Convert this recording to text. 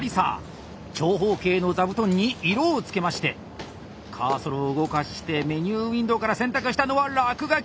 長方形のザブトンに色をつけましてカーソルを動かしてメニューウインドーから選択したのは落書き！